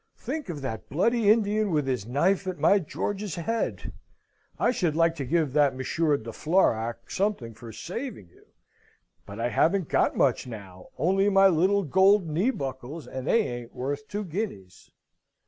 Think of that bloody Indian with his knife at my George's head! I should like to give that Monsieur de Florac something for saving you but I haven't got much now, only my little gold knee buckles, and they ain't worth two guineas."